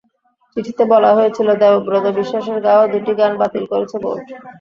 চিঠিতে বলা হয়েছিল, দেবব্রত বিশ্বাসের গাওয়া দুটি গান বাতিল করেছে বোর্ড।